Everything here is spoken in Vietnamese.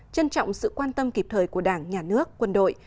trân trọng sự quan tâm kịp thời của đảng nhà nước quân đội